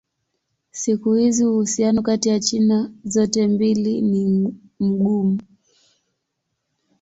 Siku hizi uhusiano kati ya China zote mbili ni mgumu.